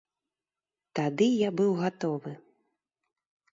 Тады я быў гатовы.